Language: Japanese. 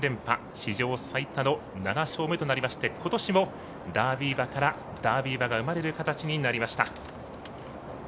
史上最多の７勝目となりましてことしもダービー馬からダービー馬が生まれる形になりました。